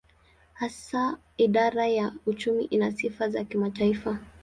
Hasa idara ya uchumi ina sifa za kimataifa.